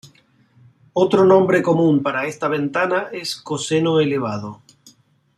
Otro nombre común para esta ventana es "coseno elevado".